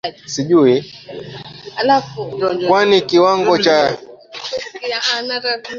Kwani kiwango cha juu cha idadi ya watu kilichangia katika kupungua kwa ukuaji wa uchumi